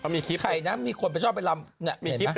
มีคลิปมีคลิปเป็นเด็กใครนะ